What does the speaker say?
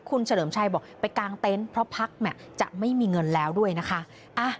คุณเฉลิมชัยบอกไปกางเต็นต์เพราะพักจะไม่มีเงินแล้วด้วยนะคะ